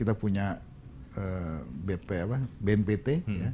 kita punya bmpt